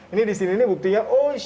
ini di sini buktinya oish